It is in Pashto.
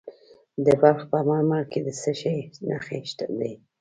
د بلخ په مارمل کې د څه شي نښې دي؟